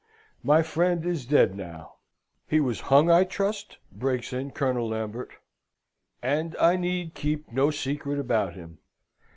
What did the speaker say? My friend is dead now " "He was hung, I trust?" breaks in Colonel Lambert. " And I need keep no secret about him.